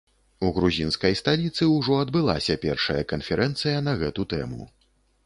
У грузінскай сталіцы ўжо адбылася першая канферэнцыя на гэту тэму.